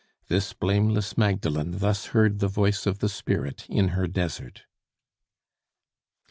This blameless Magdalen thus heard the Voice of the Spirit in her desert.